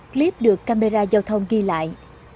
clip được camera giao thông ghi lại